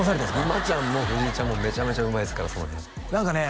今ちゃんも藤井ちゃんもめちゃめちゃうまいですからその辺何かね